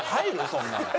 そんなの。